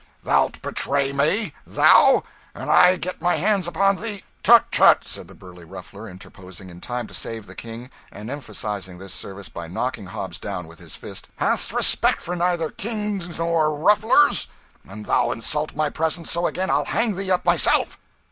"Thou'lt betray me? thou? An' I get my hands upon thee " "Tut tut!" said the burley Ruffler, interposing in time to save the King, and emphasising this service by knocking Hobbs down with his fist, "hast respect for neither Kings nor Rufflers? An' thou insult my presence so again, I'll hang thee up myself."